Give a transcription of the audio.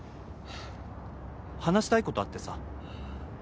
話したい事あってさ。